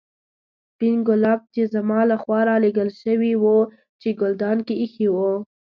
سپين ګلاب چې زما له خوا رالېږل شوي وو په ګلدان کې ایښي وو.